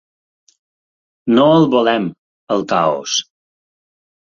No el volem, el caos.